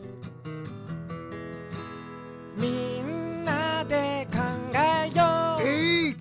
「みんなでかんがえよう」エー！